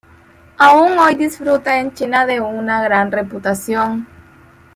Aún hoy disfruta en China de una gran reputación.